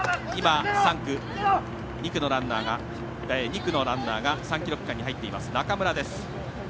２区のランナーが３ｋｍ区間入っています。